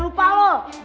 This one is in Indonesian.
ibu jahil mikah